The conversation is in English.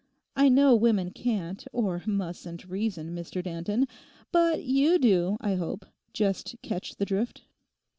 I know women can't, or mustn't reason, Mr Danton, but you do, I hope, just catch the drift?